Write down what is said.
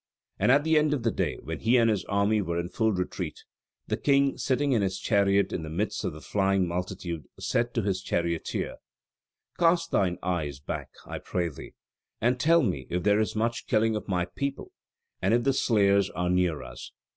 And at the end of the day, when he and his army were in full retreat, the king, sitting in his chariot in the midst of the flying multitude, said to his charioteer: "Cast thine eyes back, I pray thee, and tell me if there is much killing of my people, and if the slayers are near us."